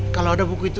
kalo ada buku itu